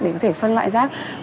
để có thể phân loại rác